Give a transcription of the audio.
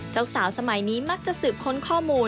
เจ้าสาวสมัยนี้มักจะสืบค้นข้อมูล